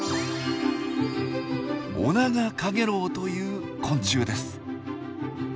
オナガカゲロウという昆虫です。